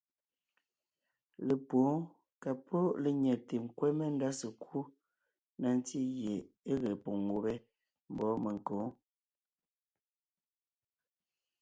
Lepwóon ka pɔ́ lenyɛte nkwɛ́ mendá sekúd na ntí gie é ge poŋ gubé mbɔ̌ menkǒ.